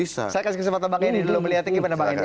saya kasih kesempatan pak gini dulu melihatnya gimana pak gini